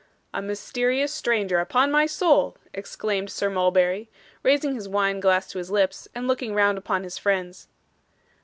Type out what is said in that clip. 'A mysterious stranger, upon my soul!' exclaimed Sir Mulberry, raising his wine glass to his lips, and looking round upon his friends.